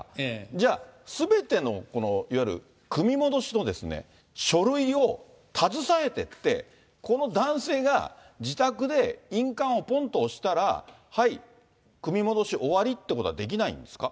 じゃあ、すべてのこのいわゆる組み戻しの書類を携えてって、この男性が自宅で印鑑をぽんと押したら、はい、組み戻し終わりっていうことはできないんですか？